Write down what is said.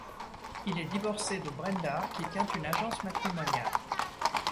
Il est divorcé de Brenda, qui tient une agence matrimoniale.